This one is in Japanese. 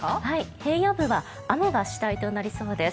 平野部は雨が主体となりそうです。